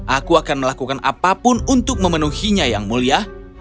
aku akan melakukan apapun untuk memenuhinya yang mulia